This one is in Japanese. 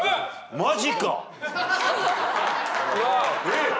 マジか！？